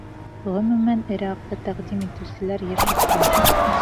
Ғөмүмән, эре аҡса тәҡдим итеүселәр йыш осрай.